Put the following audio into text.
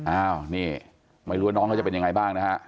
อ้าวนี่ไม่รู้ว่าน้องเขาจะเป็นยังไงบ้างนะฮะ